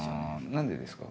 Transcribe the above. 何でですか？